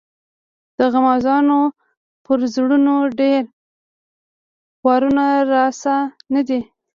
د غمازانو پر زړونو دي وارونه رسا نه دي.